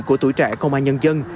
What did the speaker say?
của tuổi trẻ công an nhân dân